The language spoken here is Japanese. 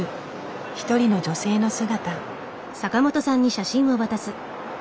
一人の女性の姿。